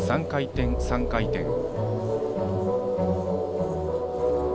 ３回転、３回転。